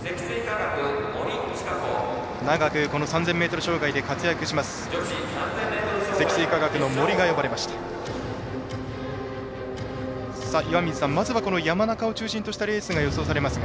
長く３０００ｍ障害で活躍します。